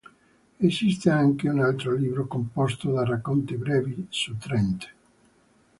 Esiste anche un altro libro composto da racconti brevi su Trent.